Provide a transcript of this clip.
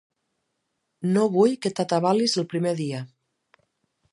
No vull que t'atabalis el primer dia.